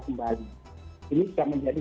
kembali ini sudah menjadi